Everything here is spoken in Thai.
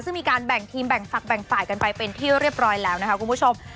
ซึ่งมีการแบ่งทีมแบ่งฝักแบ่งฝ่ายกันไปเป็นที่เรียบร้อยแล้วนะคะคุณผู้ชม